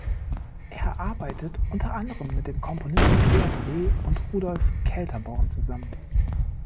Er arbeitet unter anderem mit den Komponisten Pierre Boulez und Rudolf Kelterborn zusammen.